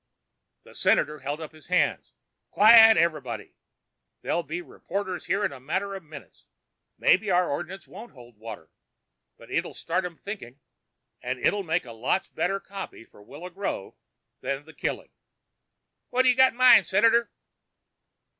The senator held up his hands. "Quiet, everybody. There'll be reporters here in a matter of minutes. Maybe our ordinance won't hold water. But it'll start 'em thinking and it'll make a lots better copy for Willow Grove than the killing." "What you got in mind, Senator?"